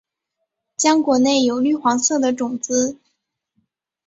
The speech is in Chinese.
浆果内有绿黄色的种子。